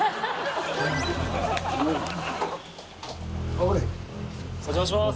お邪魔します。